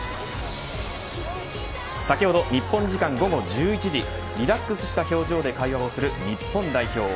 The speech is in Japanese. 先ほど日本時間午後１１時リラックスした表情で会話をする日本代表。